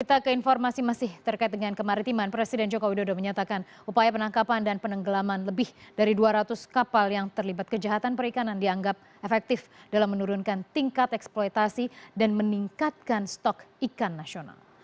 kita ke informasi masih terkait dengan kemaritiman presiden joko widodo menyatakan upaya penangkapan dan penenggelaman lebih dari dua ratus kapal yang terlibat kejahatan perikanan dianggap efektif dalam menurunkan tingkat eksploitasi dan meningkatkan stok ikan nasional